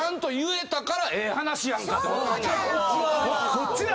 こっちや！